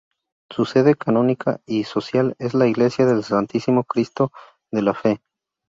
Su sede canónica y social es la Iglesia del Santísimo Cristo de la Fe.